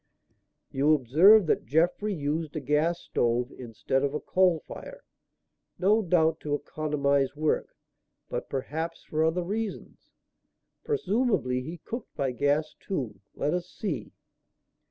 "You observe that Jeffrey used a gas stove, instead of a coal fire, no doubt to economize work, but perhaps for other reasons. Presumably he cooked by gas, too; let us see."